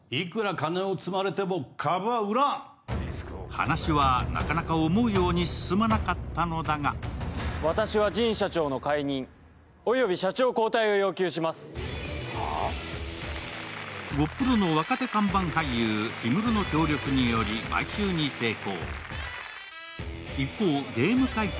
話はなかなか思うように進まなかったのだがゴップロの若手看板俳優・ヒムロの協力により買収に成功。